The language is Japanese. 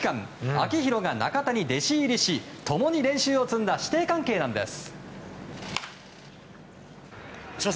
秋広が中田に弟子入りし共に練習を積んだ師弟関係なんです。